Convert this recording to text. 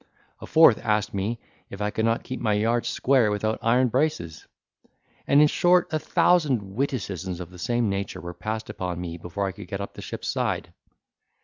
A fourth asked me, if I could not keep my yards square without iron braces? And, in short, a thousand witticisms of the same nature were passed upon me before I could get up the ship's side.